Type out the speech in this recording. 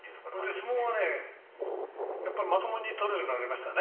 相撲をまともに取るようになりましたね。